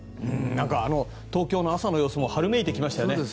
東京の朝の様子も春めいてきましたね。